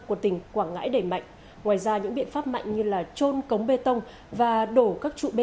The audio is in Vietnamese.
của tỉnh quảng ngãi đẩy mạnh ngoài ra những biện pháp mạnh như trôn cống bê tông và đổ các trụ bê